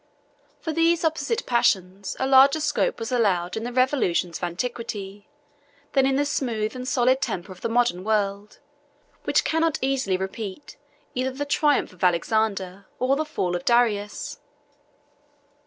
For these opposite passions, a larger scope was allowed in the revolutions of antiquity, than in the smooth and solid temper of the modern world, which cannot easily repeat either the triumph of Alexander or the fall of Darius.